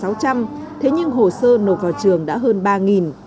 là sáu trăm linh thế nhưng hồ sơ nộp vào trường đã hơn ba